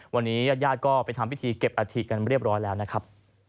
วันนี้ญาติญาติก็ไปทำพิธีเก็บอาถิกันเรียบร้อยแล้วนะครับ